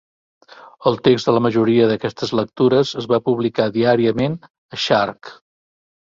El text de la majoria d"aquestes lectures es va publicar diàriament a "Shargh".